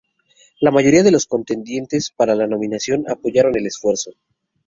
La mayoría de los contendientes para la nominación apoyaron el esfuerzo.